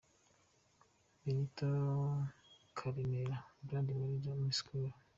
Benito Karemera, Brand Manager muri Skol.